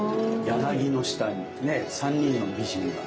柳の下に３人の美人が。